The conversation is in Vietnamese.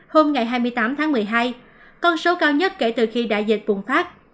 hôm ngày hai mươi tám tháng một mươi hai con số cao nhất kể từ khi đại dịch bùng phát